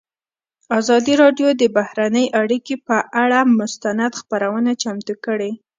ازادي راډیو د بهرنۍ اړیکې پر اړه مستند خپرونه چمتو کړې.